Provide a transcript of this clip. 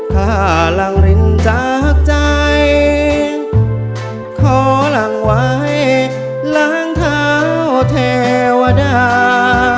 ถ้าหลังรินจากใจขอหลังไว้ล้างเท้าเทวดา